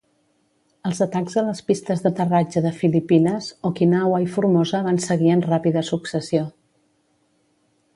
Els atacs a les pistes d'aterratge de Filipines, Okinawa i Formosa van seguir en ràpida successió.